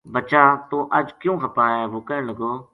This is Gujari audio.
بچہ! توہ اج کیوں خپا ہے وہ کہن لگو